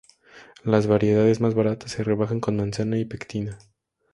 Las variedades más baratas se rebajan con manzana y pectina.